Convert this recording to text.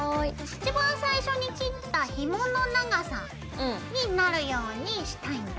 一番最初に切ったひもの長さになるようにしたいんだ。